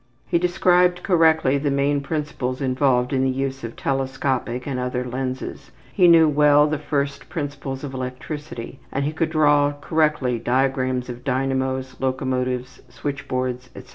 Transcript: He described correctly the main principles involved in the use of telescopic and other lenses, he knew well the first principles of electricity, and he could draw correctly diagrams of dynamos, locomotives, switchboards, etc.